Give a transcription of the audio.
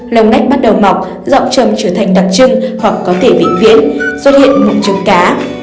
lông nách bắt đầu mọc dọng trầm trở thành đặc trưng hoặc có thể vĩnh viễn xuất hiện mụn trường cá